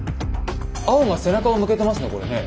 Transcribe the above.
青が背中を向けてますねこれね。